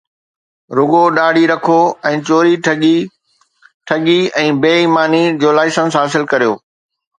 رڳو ڏاڙهي رکو ۽ چوري، ٺڳي، ٺڳي ۽ بي ايماني جو لائسنس حاصل ڪريو